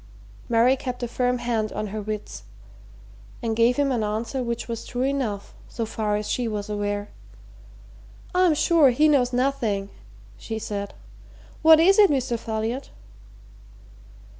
Mary kept a firm hand on her wits and gave him an answer which was true enough, so far as she was aware. "I'm sure he knows nothing," she said. "What is it, Mr. Folliot?"